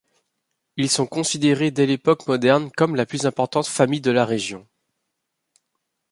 Ils sont considérés dès l'époque moderne comme la plus importante famille de la région.